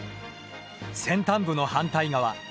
先端部の反対側